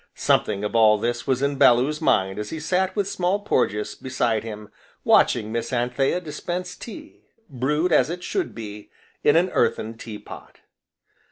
Something of all this was in Bellew's mind as he sat with Small Porges beside him, watching Miss Anthea dispense tea, brewed as it should be, in an earthen tea pot.